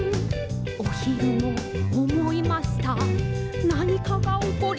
「おひるもおもいましたなにかがおこりそうです」